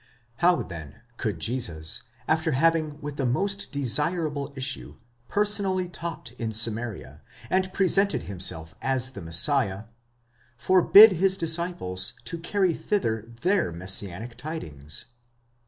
How, then, could Jesus, after having with the most desirable issue, personally taught in Samaria, and presented himself as the Messiah, forbid his disciples to carry thither their messianic tidings?